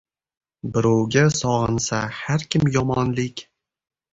Birovga sog‘insa har kim yomonlik